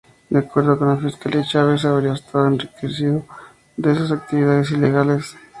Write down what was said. De acuerdo con la Fiscalía, Chávez se habría estado enriqueciendo de sus actividades ilegales.